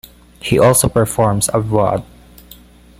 He also performs abroad.